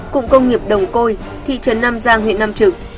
cụng công nghiệp đồng côi thị trấn nam giang huyện nam trực